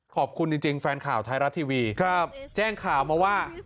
ขอบคุณจริงแฟนข่าวไทยรัฐทีวีแจ้งข่าวมาว่า